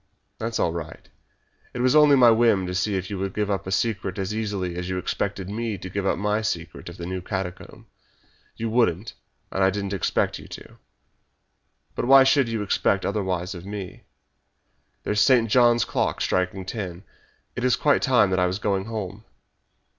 "That's all right. It was only my whim to see if you would give up a secret as easily as you expected me to give up my secret of the new catacomb. You wouldn't, and I didn't expect you to. But why should you expect otherwise of me? There's Saint John's clock striking ten. It is quite time that I was going home."